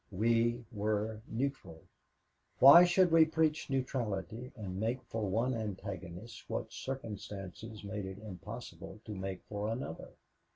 We were neutral. Why should we preach neutrality and make for one antagonist what circumstances made it impossible to make for another?